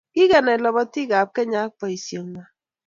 Kikenai lobotii ab Kenya ak boisie ngwang.